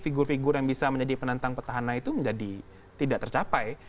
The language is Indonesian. figur figur yang bisa menjadi penantang petahana itu menjadi tidak tercapai